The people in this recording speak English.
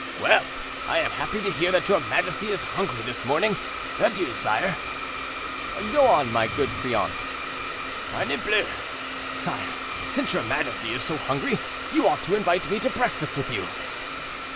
"Well! I am happy to hear that your majesty is hungry this morning. Adieu, sire." "Go, my good Crillon." "Harnibleu! sire, since your majesty is so hungry, you ought to invite me to breakfast with you."